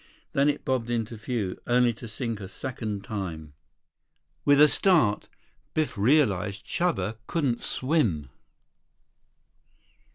Then it bobbed into view, only to sink a second time. With a start, Biff realized that Chuba couldn't swim.